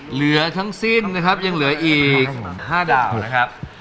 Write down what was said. เหลือทั้งสิ้นนะครับยังเหลืออีก๕ดาวนะครับ